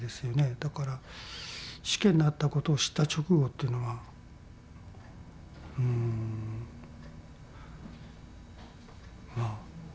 だから死刑になったことを知った直後っていうのはうんまあ